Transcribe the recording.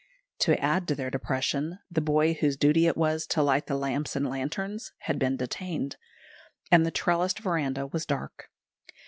To add to their depression, the boy whose duty it was to light the lamps and lanterns had been detained, and the trellised verandah was dark.